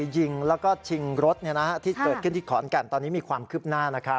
ยิงแล้วก็ชิงรถที่เกิดขึ้นที่ขอนแก่นตอนนี้มีความคืบหน้า